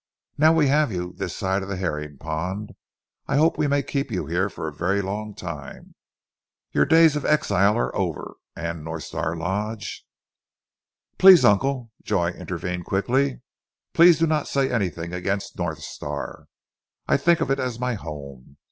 Now we have you this side of the herring pond, I hope we may keep you here for a very long time. Your days of exile are over, and North Star Lodge " "Please, uncle," Joy intervened quickly. "Please do not say anything against North Star. I think of it as my home.